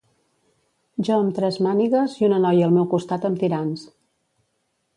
Jo amb tres mànigues i una noia al meu costat amb tirants